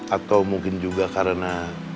atau mungkin juga karena